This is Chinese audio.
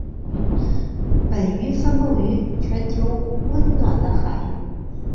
本鱼分布于全球温暖的海域。